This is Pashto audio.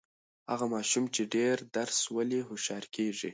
هغه ماشوم چې ډېر درس لولي، هوښیار کیږي.